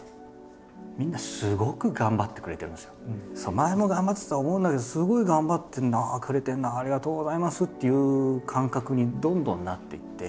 前も頑張ってたとは思うんだけどすごい頑張ってくれてるなありがとうございますっていう感覚にどんどんなっていって。